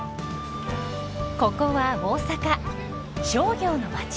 ここは大阪商業の街。